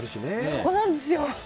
そこなんですよ。